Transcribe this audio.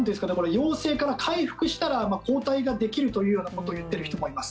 陽性から回復したら抗体ができるというようなことを言っている人もいます。